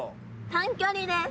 短距離です！